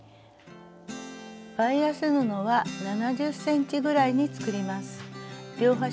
バイアス布は７０ｃｍぐらいに作ります。